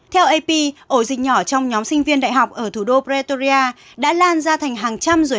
theo ap ổ dịch nhỏ trong nhóm sinh viên đại học ở thủ đô pratoria đã lan ra thành hàng trăm rồi